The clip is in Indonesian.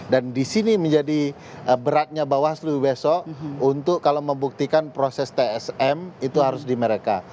dan disini menjadi beratnya bawaslu besok untuk kalau membuktikan proses tsm itu harus di mereka